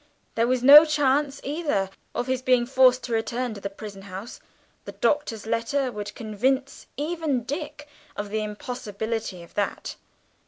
There was no chance, either, of his being forced to return to the prison house the Doctor's letter would convince even Dick of the impossibility of that.